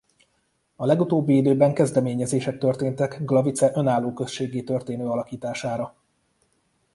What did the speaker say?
A legutóbbi időben kezdeményezések történtek Glavice önálló községgé történő alakítására.